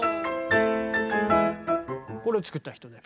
これを作った人で。